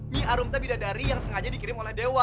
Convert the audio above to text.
nyi arum tuh bukan dari yang sengaja dikirim oleh dewa